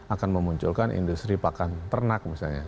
akan memunculkan industri pakan ternak misalnya